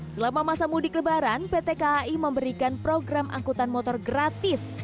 selama masa mudik lebaran pt kai memberikan program angkutan motor gratis